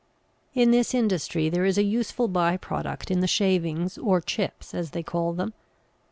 ] In this industry there is a useful by product in the shavings, or chips as they call them.